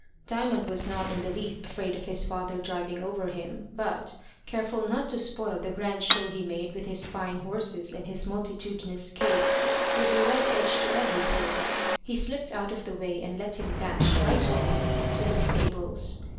Diamond was not in the least afraid of his father driving over him, but, careful not to spoil the grand show he made with his fine horses and his multitudinous cape, with a red edge to every fold, he slipped out of the way and let him dash right on to the stables.